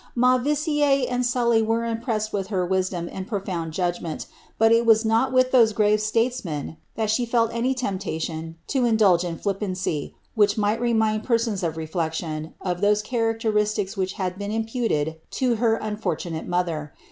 llaiivissiere and Sully were impressed wilh hi and profound judgment, but it was not wilh those grave stale she li li any lempiaiion to indulge in llippancy which itiisht re sons of reflection of those characlerisiics which had been ir her unfortunate mother.